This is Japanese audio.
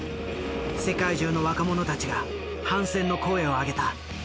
世界中の若者たちが反戦の声を上げた。